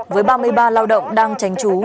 với ba mươi ba lao động đang tránh trú